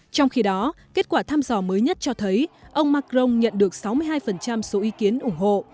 trong khi đó kết quả thăm dò mới nhất cho thấy ông macron nhận được sáu mươi hai số ý kiến ủng hộ